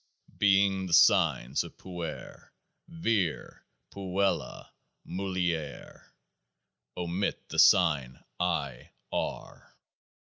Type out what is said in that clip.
being the signs of Puer, Vir, Puella, Mulier. Omit the sign I. R.